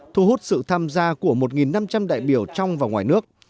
thu hút sự tham gia của một năm trăm linh đại biểu trong và ngoài nước